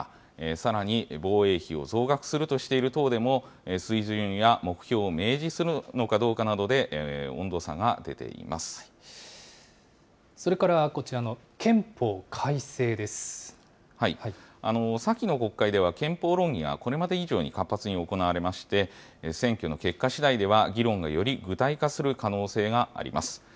さらに、防衛費を増額するとしている党でも、水準や目標を明示するのかどうかなどで温度差が出てそれからこちらの憲法改正で先の国会では、憲法論議がこれまで以上に活発に行われまして、選挙の結果しだいでは、議論がより具体化する可能性があります。